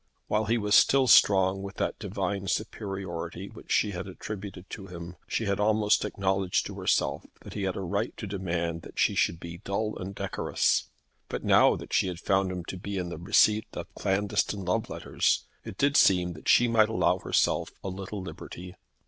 While he was still strong with that divine superiority which she had attributed to him, she had almost acknowledged to herself that he had a right to demand that she should be dull and decorous. But now that she had found him to be in the receipt of clandestine love letters, it did seem that she might allow herself a little liberty.